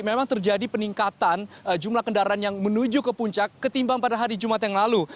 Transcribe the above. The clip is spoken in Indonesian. memang terjadi peningkatan jumlah kendaraan yang menuju ke puncak ketimbang pada hari jumat yang lalu